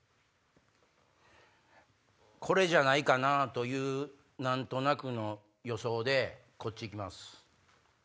これじゃないかなぁという何となくの予想でこっち行きます。